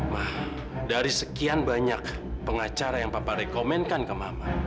nah dari sekian banyak pengacara yang papa rekomenkan ke mama